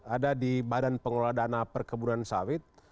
ada di badan pengelola dana perkebunan sawit